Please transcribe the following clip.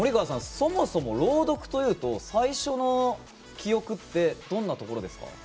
そもそも、朗読というと最初の記憶ってどんなところですか？